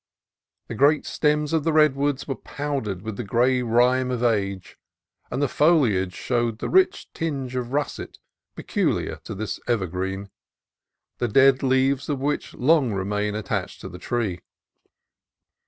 The great stems of the redwoods were powdered with the gray rime of age, and the foliage showed the rich tinge of russet peculiar to this evergreen, the dead leaves of which long remain attached to the tree.